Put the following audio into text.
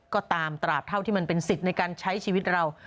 ก็ตามตราบเท่าที่มันเป็นสิทธิ์ในการใช้ชีวิตเรา